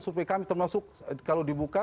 survei kami termasuk kalau dibuka